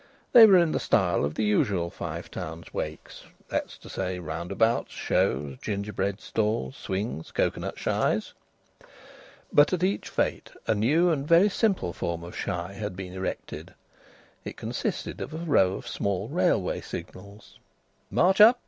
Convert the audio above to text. They were in the style of the usual Five Towns "wakes"; that is to say, roundabouts, shows, gingerbread stalls, swings, cocoanut shies. But at each fête a new and very simple form of "shy" had been erected. It consisted of a row of small railway signals. "March up!